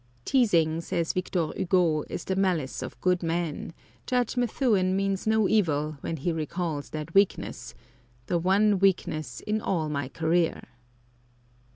Teasing, says Victor Hugo, is the malice of good men; Judge Methuen means no evil when he recalls that weakness the one weakness in all my career.